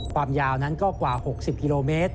ความยาวนั้นก็กว่า๖๐กิโลเมตร